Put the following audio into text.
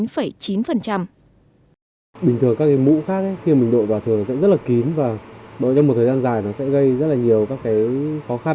bình thường các cái mũ khác khi mình độ vào thường sẽ rất là kín và độ ra một thời gian dài nó sẽ gây rất là nhiều các cái khó khăn